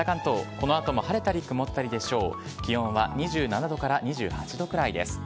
このあとも晴れたり曇ったりでしょう。